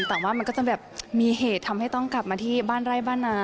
แต่ว่ามันก็จะแบบมีเหตุทำให้ต้องกลับมาที่บ้านไร่บ้านนา